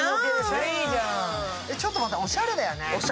ちょっと待って、おしゃれだよね。